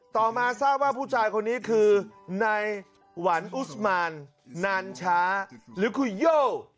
ต่อมาทราบว่าผู้ชายคนนี้คือนายหวันอุสมานนานช้าหรือคุณโย